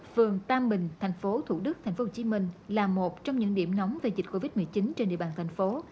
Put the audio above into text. phường tam bình thành phố thủ đức thành phố hồ chí minh là một trong những điểm nóng về dịch covid một mươi chín trên địa bàn thành phố